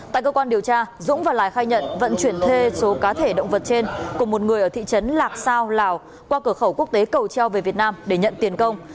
tại cơ quan điều tra dũng và lài khai nhận vận chuyển thuê số cá thể động vật trên của một người ở thị trấn lạc sao lào qua cửa khẩu quốc tế cầu treo về việt nam để nhận tiền công